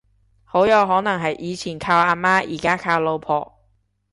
好有可能係以前靠阿媽而家靠老婆